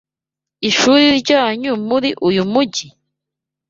Ishuri ryanyu muri uyu mujyi?